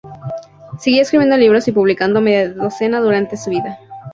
Siguió escribiendo libros y publicó media decena durante su vida.